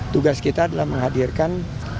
tugas kita adalah menghadirkan